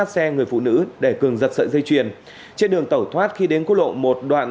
hai xe người phụ nữ để cường giật sợi dây chuyền trên đường tẩu thoát khi đến quốc lộ một đoạn